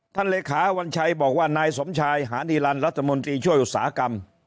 เลขาวัญชัยบอกว่านายสมชายหาดีลันรัฐมนตรีช่วยอุตสาหกรรม